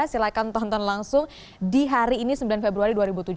silahkan tonton langsung di hari ini sembilan februari dua ribu tujuh belas